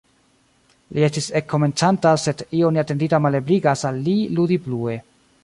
Li estas ekkomencanta, sed io neatendita malebligas al li ludi plue.